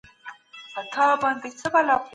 تازه هوا د سږو لپاره ګټوره ده.